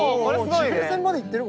地平線まで行ってる？